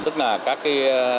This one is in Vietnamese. tức là các cái